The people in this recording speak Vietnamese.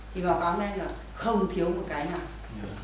thì báo cáo này là không thiếu một cái nào